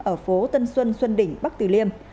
ở phố tân xuân xuân đỉnh bắc tử liêm